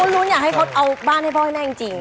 ลุ้นอยากให้เขาเอาบ้านให้พ่อให้แม่จริง